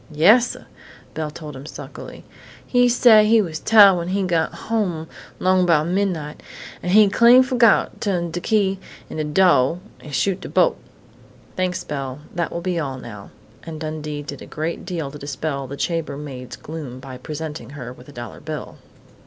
"Yassuh," Belle told him sulkily. "He say he was tiahed when he got home 'long 'bout midnight, an' he clean fo'got to turn de key in de do' an' shoot de bolt." "Thanks, Belle. That will be all now," and Dundee did a great deal to dispel the chambermaid's gloom by presenting her with a dollar bill.